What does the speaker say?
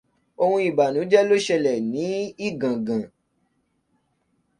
Ohun ìbànújẹ́ ló sẹlẹ̀ ní Igàngàn.